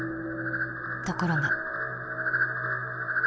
ところが。